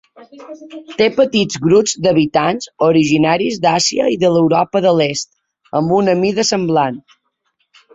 Té petits grups d'habitants originaris d'Àsia i de l'Europa de l'Est, amb una mida semblant.